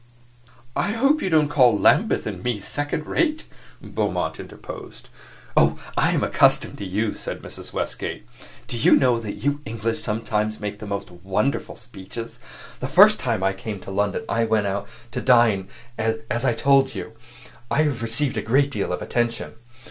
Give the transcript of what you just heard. "I hope you don't call Lambeth and me second rate," Beaumont interposed. "Oh, I am accustomed to you," said Mrs. Westgate. "Do you know that you English sometimes make the most wonderful speeches? The first time I came to London I went out to dine as I told you, I have received a great deal of attention.